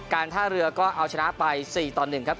ท่าเรือก็เอาชนะไป๔ต่อ๑ครับ